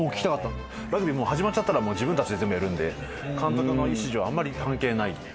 ラグビー始まっちゃったら自分たちで全部やるんで監督の指示はあんまり関係ない。